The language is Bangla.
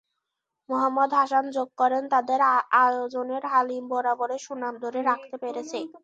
মোহাম্মদ হাসান যোগ করেন, তাদের আয়োজনের হালিম বরাবরের সুনাম ধরে রাখতে পেরেছে।